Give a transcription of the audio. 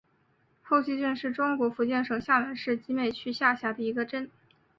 后溪镇是中国福建省厦门市集美区下辖的一个镇。